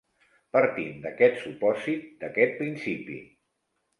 Partint d'aquest supòsit, d'aquest principi.